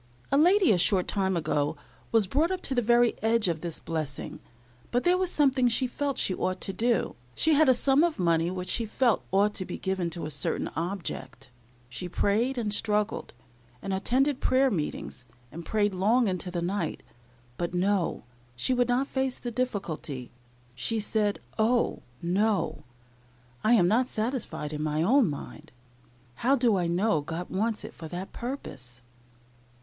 A lady, a short time ago, was brought up to the very edge of this blessing, but there was something she felt she ought to do. She had a sum of money which she felt ought to be given up to a certain object. She prayed and struggled, and attended prayer meetings, and prayed long into the night; but, no, she would not face the difficulty. She said, "Oh! no; I am not satisfied in my own mind. How do I know God wants it for that purpose?"